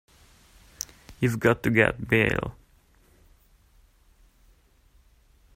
We've got to get bail.